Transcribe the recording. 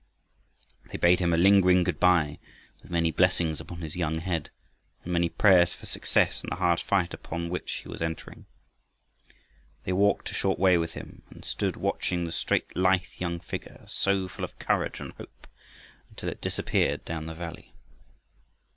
They bade him a lingering good by, with many blessings upon his young head, and many prayers for success in the hard fight upon which he was entering. They walked a short way with him, and stood watching the straight, lithe young figure, SO full of courage and hope until it disappeared down the valley.